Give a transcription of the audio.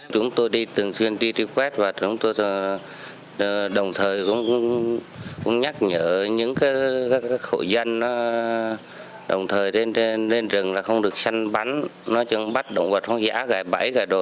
chúng tôi đi thường xuyên đi truy quét và chúng tôi đồng thời cũng nhắc nhở những cái khổ danh đó đồng thời lên rừng là không được săn bắn nói chung bắt động vật hóa giá gãi bẫy gãi đồ